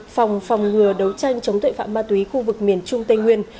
phòng phòng ngừa đấu tranh chống tội phạm ma túy khu vực miền trung tây nguyên